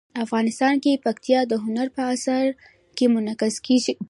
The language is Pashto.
افغانستان کې پکتیا د هنر په اثار کې منعکس کېږي.